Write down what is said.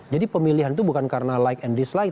jadi pemilihan itu bukan karena like and dislike